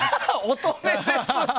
乙女ですね。